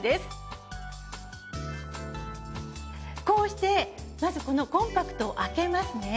こうしてまずこのコンパクトを開けますね。